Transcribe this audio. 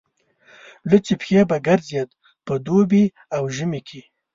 لوڅې پښې به ګرځېد په دوبي او ژمي کې.